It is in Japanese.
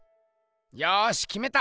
よしきめた！